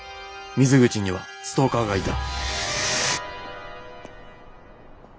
水口にはストーカーがいた。